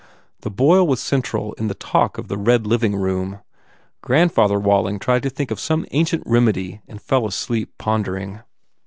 The boil was central in the talk of the red living room. Grandfather Walling tried to think of some ancient remedy and fell asleep pondering.